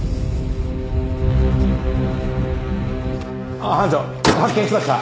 あっ班長発見しました。